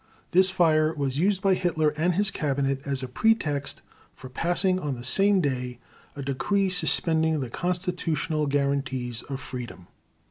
This fire was used by Hitler and his Cabinet as a pretext for passing on the same day a decree suspending the constitutional guarantees of freedom.